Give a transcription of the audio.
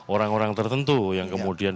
orang orang tertentu yang kemudian